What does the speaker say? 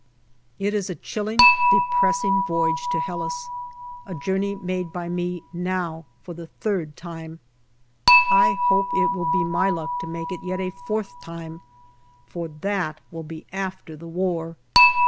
It is a chilh'ng, depressing voyage to Helles, a journey made by me now for the third time. I hope it will be my luck to make it yet a fourth time, for that will be after the war.